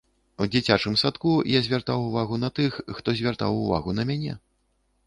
У дзіцячым садку я звяртаў увагу на тых, хто звяртаў увагу на мяне.